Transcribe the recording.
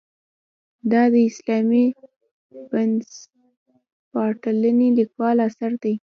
دا د اسلامي بنسټپالنې لیکوال اثر دی.